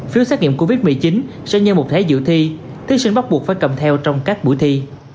phiếu xét nghiệm covid một mươi chín sẽ như một thế dự thi thí sinh bắt buộc phải cầm theo trong các buổi thi